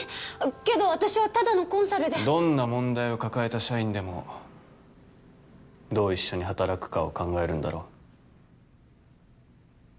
けど私はただのコンサルでどんな問題を抱えた社員でもどう一緒に働くかを考えるんだろ？